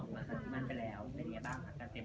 วันนี้เลยค่ะวันนี้เป็นงานขอบคุณสมมติเนอะ